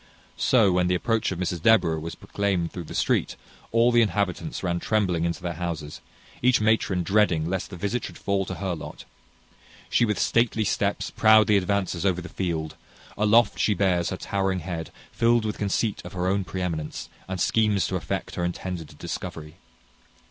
So when the approach of Mrs Deborah was proclaimed through the street, all the inhabitants ran trembling into their houses, each matron dreading lest the visit should fall to her lot. She with stately steps proudly advances over the field: aloft she bears her towering head, filled with conceit of her own pre eminence, and schemes to effect her intended discovery.